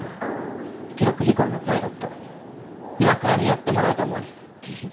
記録飛行のパイロット岩倉にやってもらおうと思うねん。